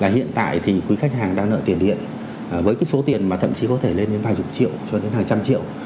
hiện tại quý khách hàng đang nợ tiền điện với số tiền thậm chí có thể lên đến vài chục triệu cho đến hàng trăm triệu